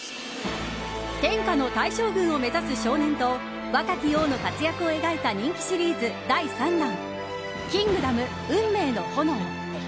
天下の大将軍を目指す少年と若き王の活躍を描いた人気シリーズ第３弾「キングダム運命の炎」。